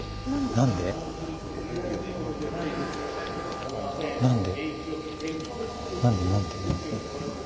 何で何で？